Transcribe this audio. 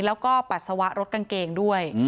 แล้วก็ปัสสาวะรถกางเกงด้วย